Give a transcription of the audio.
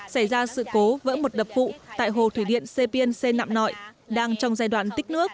xảy ra sự cố vỡ một đập vụ tại hồ thủy điện sê pên sê nạm nội đang trong giai đoạn tích nước